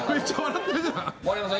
丸山さん